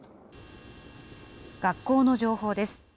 学校の情報です。